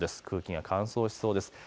空気が乾燥しそうです。